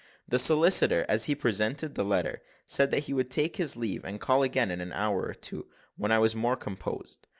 The solicitor, as he presented the letter, said that he would take his leave, and call again in an hour or two, when I was more composed.